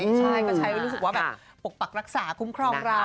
ใช่ก็ใช้ว่าปกปักรักษาคุ้มครองเรา